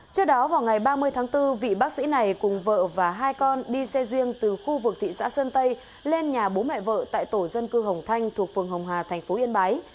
trước đó vào ngày ba mươi tháng bốn vị bác sĩ này cùng vợ và hai con đi xe riêng từ khu vực thị xã sơn tây lên nhà bố mẹ vợ tại tổ dân cư hồng thanh thuộc phường hồng hà thành phố yên bái